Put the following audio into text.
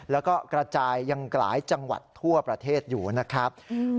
แล้วก็กระจายยังหลายจังหวัดทั่วประเทศอยู่นะครับ